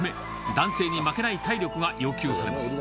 男性に負けない体力が要求されます。